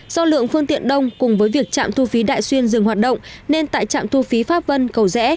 do lượng phương tiện đông cùng với việc trạm thu phí đại xuyên dừng hoạt động nên tại trạm thu phí pháp vân cầu rẽ